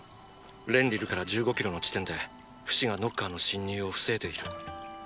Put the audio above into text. レンリルから１５キロの地点でフシがノッカーの侵入を防いでいる。